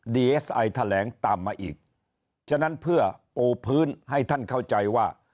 ดีเอสไอแถลงตามมาอีกฉะนั้นเพื่อโอพื้นให้ท่านเข้าใจว่า